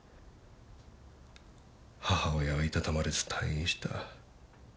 母親はいたたまれず退院した。